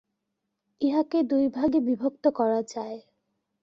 ইহাকে দুই ভাগে বিভক্ত করা যায়।